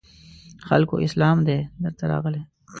خلکو اسلام دی درته راغلی